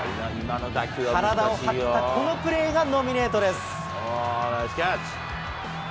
体を張ったこのプレーがノミネートです。